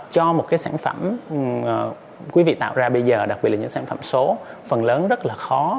cho một cái sản phẩm quý vị tạo ra bây giờ đặc biệt là những sản phẩm số phần lớn rất là khó